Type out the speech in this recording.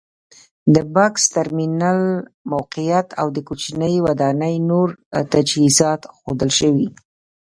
د بکس ترمینل موقعیت او د کوچنۍ ودانۍ نور تجهیزات ښودل شوي.